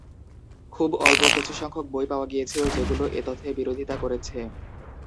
খুব অল্প কিছুসংখ্যক বই পাওয়া গিয়েছিল যেগুলো এ তথ্যের বিরোধিতা করেছে।